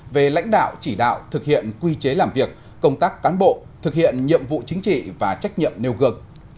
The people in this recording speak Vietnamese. về lãnh đạo chỉ đạo thực hiện quy chế làm việc công tác cán bộ thực hiện nhiệm vụ chính trị và trách nhiệm nêu gương